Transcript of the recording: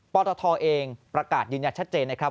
ปตทเองประกาศยืนยันชัดเจนนะครับ